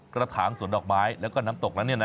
กระถางสวนดอกไม้แล้วก็น้ำตกนั้น